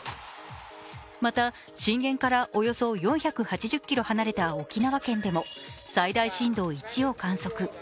また、震源からおよそ４８０ｋｍ離れた沖縄県でも最大震度１を観測。